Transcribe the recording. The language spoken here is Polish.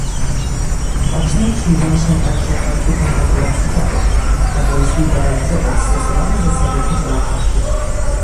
Baczniej przyjrzymy się także praktykom regulacji taryf, aby zliberalizować stosowne zasady podziału kosztów